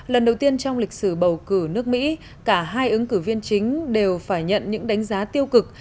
lần đầu tiên trong lịch sử bầu cử nước mỹ cả hai ứng cử viên chính đều phải nhận những đánh giá tiêu cực